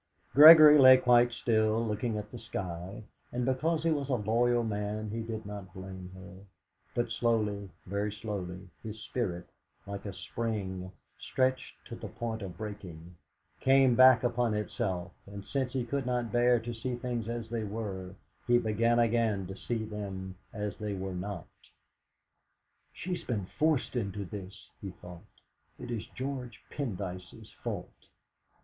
Gregory lay quite still, looking at the sky, and because he was a loyal man he did not blame her, but slowly, very slowly, his spirit, like a spring stretched to the point of breaking, came back upon itself, and since he could not bear to see things as they were, he began again to see them as they were not. '.he has been forced into this,' he thought. 'It is George Pendyce's fault.